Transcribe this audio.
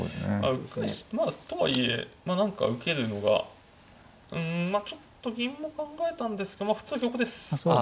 とはいえ何か受けるのがちょっと銀も考えたんですが普通は玉ですかね。